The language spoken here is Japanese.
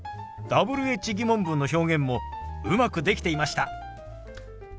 Ｗｈ−疑問文の表現もうまくできていました。